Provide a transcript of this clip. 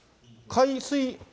海水？